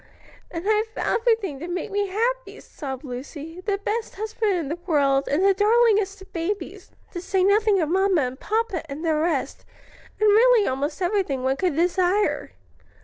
"And I've everything to make me happy," sobbed Lucy "the best husband in the world, and the darlingest of babies, to say nothing of mamma and papa, and the rest, and really almost everything one could desire."